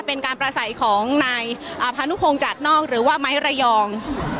เป็นการประสัยของนายพานุพงศ์จัดนอกหรือว่าไม้ระยอง